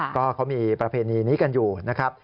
ก็เขามีประเพณีนี้กันอยู่นะครับ